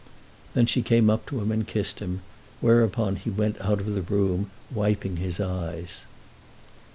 Then she came up to him and kissed him, whereupon he went out of the room wiping his eyes.